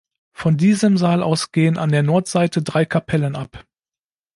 Von diesem Saal aus gehen an der Nordseite drei Kapellen ab.